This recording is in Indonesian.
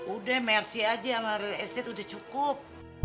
udah mercy aja sama real estate udah cukup